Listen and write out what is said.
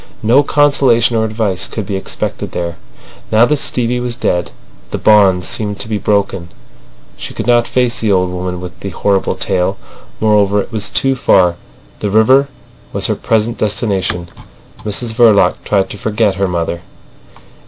No consolation or advice could be expected there. Now that Stevie was dead the bond seemed to be broken. She could not face the old woman with the horrible tale. Moreover, it was too far. The river was her present destination. Mrs Verloc tried to forget her mother.